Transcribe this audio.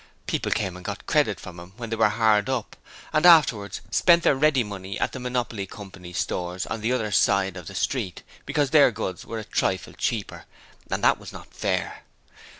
People came and got credit from him when they were hard up, and afterwards spent their ready money at the Monopole Company's stores on the other side of the street, because their goods were a trifle cheaper, and it was not fair.